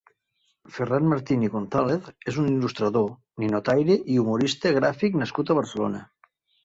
Ferran Martín i González és un il·lustrador, ninotaire i humorista gràfic nascut a Barcelona.